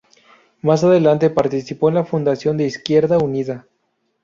Más adelante participó en la fundación de Izquierda Unida.